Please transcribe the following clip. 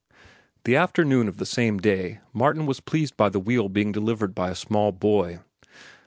The afternoon of the same day Martin was pleased by the wheel being delivered by a small boy.